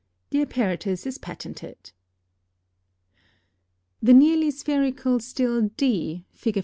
The apparatus is patented. The nearly spherical still D (Fig.